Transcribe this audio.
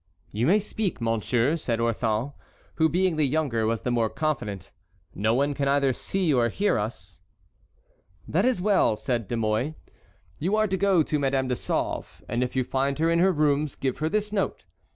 "You may speak, monsieur," said Orthon, who being the younger was the more confident; "no one can either see or hear us." "That is well," said De Mouy, "you are to go to Madame de Sauve, and if you find her in her rooms give her this note.